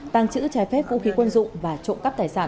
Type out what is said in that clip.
tăng trữ trái phép vũ khí quân dụng và trộm cắp tài sản